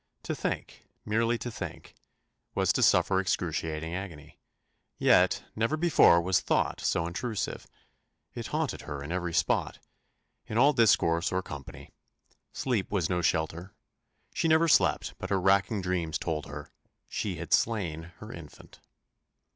To think, merely to think, was to suffer excruciating agony; yet, never before was thought so intrusive it haunted her in every spot, in all discourse or company: sleep was no shelter she never slept but her racking dreams told her "she had slain her infant."